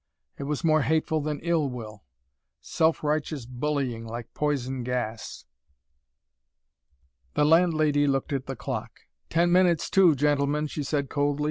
It was more hateful than ill will. Self righteous bullying, like poison gas! The landlady looked at the clock. "Ten minutes to, gentlemen," she said coldly.